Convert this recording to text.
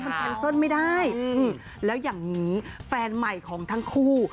มันแคนเซิลไม่ได้แล้วอย่างนี้แฟนใหม่ของทั้งคู่